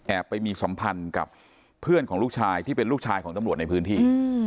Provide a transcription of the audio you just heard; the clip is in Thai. ไปมีสัมพันธ์กับเพื่อนของลูกชายที่เป็นลูกชายของตำรวจในพื้นที่